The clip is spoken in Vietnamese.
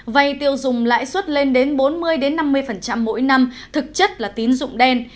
vay tiêu dùng lãi suất lên đến bốn mươi năm mươi mỗi năm thực chất là tín dụng đen